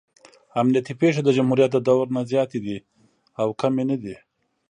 امنیتي پېښې د جمهوریت د دور نه زیاتې دي او کمې نه دي.